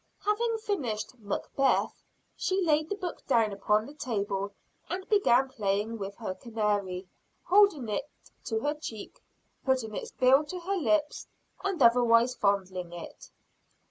Having finished "Macbeth" she laid the book down upon the table and began playing with her canary, holding it to her cheek, putting its bill to her lips, and otherwise fondling it.